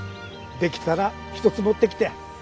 出来たら一つ持ってきて。